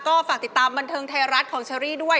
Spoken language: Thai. ก็ฝากติดตามบันเทิงไทยรัฐของเชอรี่ด้วย